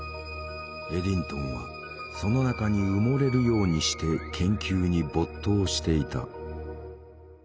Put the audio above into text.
エディントンはその中に埋もれるようにして研究に没頭していた。